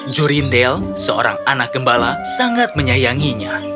jurindel seorang anak gembala sangat menyayanginya